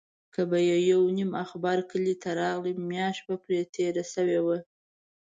که به یو نیم اخبار کلي ته راغی، میاشت به پرې تېره شوې وه.